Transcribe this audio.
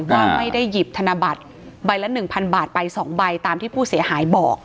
ว่าไม่ได้หยิบธนบัตรใบละ๑๐๐บาทไป๒ใบตามที่ผู้เสียหายบอก